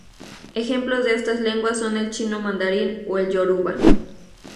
Ejemplos de estas lenguas son el chino mandarín o el yoruba.